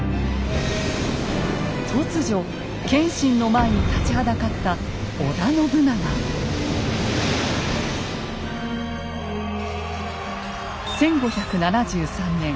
突如謙信の前に立ちはだかった１５７３年